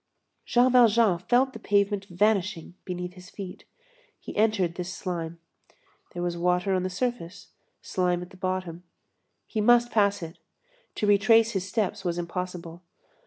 Jean Valjean felt the pavement vanishing beneath his feet. He entered this slime. There was water on the surface, slime at the bottom. He must pass it. To retrace his steps was impossible.